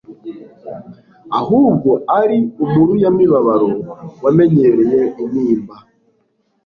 ahubwo ari umuruyamibabaro wamenyereye intimba.